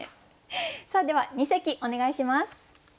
さあでは二席お願いします。